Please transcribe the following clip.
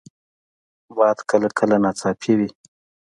باد کله کله ناڅاپي وي